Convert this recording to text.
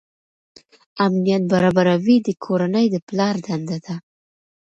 امنیت برابروي د کورنۍ د پلار دنده ده.